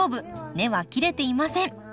根は切れていません。